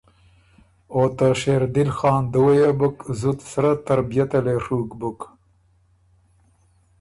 او ته شېردل خان دُوه يې بُک زُت سرۀ تربئت ڒُوک بُک